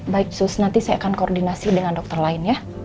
baik sus nanti saya akan koordinasi dengan dokter lainnya